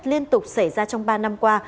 liên tục xảy ra trong ba năm qua